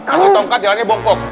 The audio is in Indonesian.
kasih tongkat jalannya bokok